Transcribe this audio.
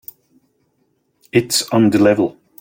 It's on the level.